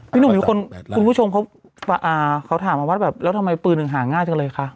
พี่หนุ่มมีคนคุณผู้ชมเขาอ่าเขาถามว่าแบบแล้วทำไมปืนอาหารง่ายจังเลยคะ